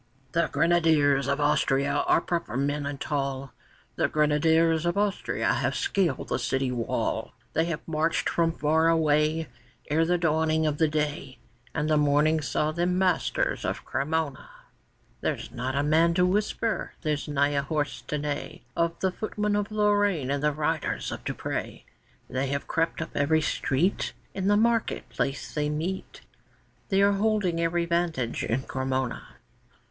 ] The Grenadiers of Austria are proper men and tall; The Grenadiers of Austria have scaled the city wall; They have marched from far away Ere the dawning of the day, And the morning saw them masters of Cremona. There's not a man to whisper, there's not a horse to neigh; Of the footmen of Lorraine and the riders of Duprés, They have crept up every street, In the market place they meet, They are holding every vantage in Cremona.